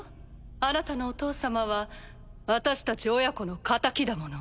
あなたのお父様は私たち親子の仇だもの。